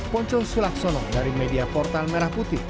ponco sulaksono dari media portal merah putih